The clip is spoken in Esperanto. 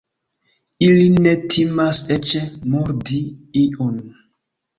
Ili ne timas eĉ murdi iun.